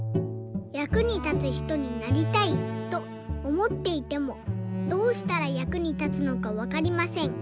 「役に立つひとになりたいとおもっていてもどうしたら役に立つのかわかりません。